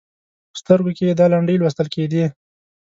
په سترګو کې یې دا لنډۍ لوستل کېدې: